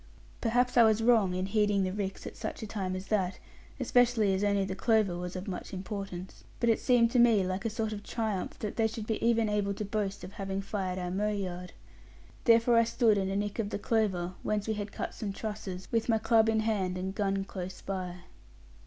Perhaps I was wrong in heeding the ricks at such a time as that; especially as only the clover was of much importance. But it seemed to me like a sort of triumph that they should be even able to boast of having fired our mow yard. Therefore I stood in a nick of the clover, whence we had cut some trusses, with my club in hand, and gun close by.